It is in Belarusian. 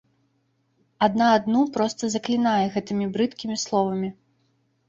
Адна адну проста заклінае гэтымі брыдкімі словамі.